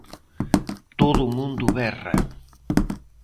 Todo o mundo berra.